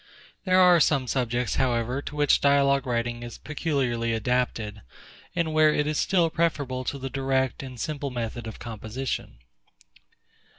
There are some subjects, however, to which dialogue writing is peculiarly adapted, and where it is still preferable to the direct and simple method of composition.